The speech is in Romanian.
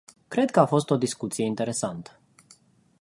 Cred că a fost o discuție interesantă.